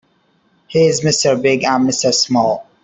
He's Mr. Big and Mr. Small.